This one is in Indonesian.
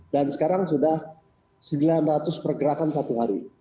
dan sekarang sudah sembilan ratus pergerakan satu hari